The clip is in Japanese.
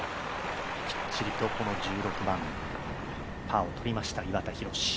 きっちりと１６番パーをとりました、岩田寛。